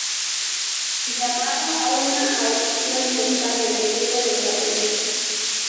Llamado a una audición en España le dieron el papel.